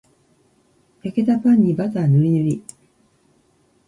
焼けたパンにバターぬりぬり